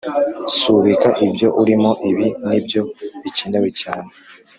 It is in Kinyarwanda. Subika ibyo urimo ibi nibyo bikenewe cyane